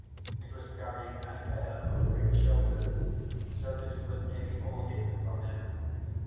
It was carrying a hare over its shoulder so that it was nearly all hidden from him.